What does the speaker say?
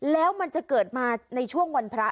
แล้วมันจะเกิดมาในช่วงวันพระ